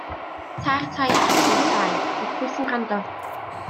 Tair taith a thri llai, ond pwy sy'n gwrando?